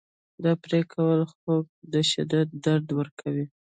دا پرې کول خوک ته شدید درد ورکوي.